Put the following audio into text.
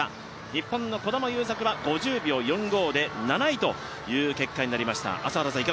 日本の児玉悠作は５０秒４５で７位という結果になりました。